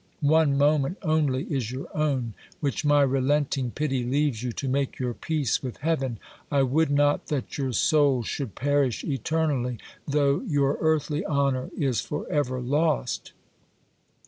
One mo ment only is your own, which my relenting pity leaves you to make your peace with heaven. I would not that your soul should perish eternally, though your earthly honour is for ever lost.